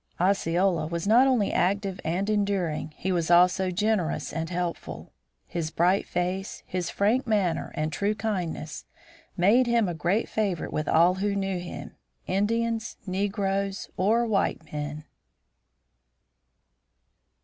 Osceola was not only active and enduring. He was also generous and helpful. His bright face, his frank manner, and true kindness made him a great favorite with all who knew him, Indians, negroes, or white men.